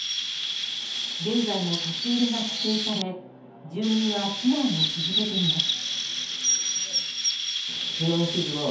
現在も立ち入りが規制され住民は避難を続けています。